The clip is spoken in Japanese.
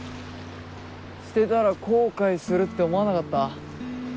捨てたら後悔するって思わなかった？